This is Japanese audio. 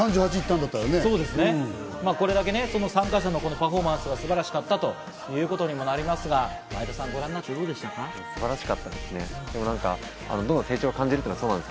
これだけ参加者のパフォーマンスが素晴らしかったということになりますが、前田さん、いかがですか？